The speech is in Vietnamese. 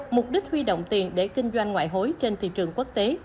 mục đích huy động tiền để kinh doanh ngoại hối trên thị trường quốc tế